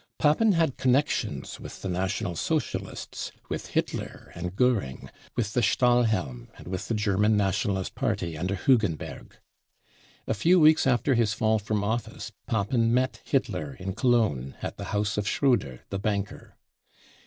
Papen had connections J * with the National Socialists, with Hitler and Goering, with ' J t the Stahlhelm and with the German Nationalist Party ^^ under Hugenberg. A few weeks after his fall from office + Papen met Hitler in Cologne, at the house of Schroder, the banker.